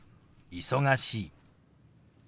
「忙しい」。